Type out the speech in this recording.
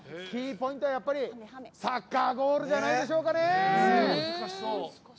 キーポイントはサッカーボールじゃないでしょうかね。